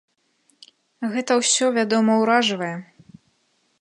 Гэта ўсё, вядома, уражвае.